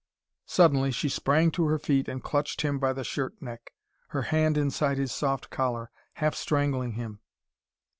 Suddenly she sprang to her feet and clutched him by the shirt neck, her hand inside his soft collar, half strangling him.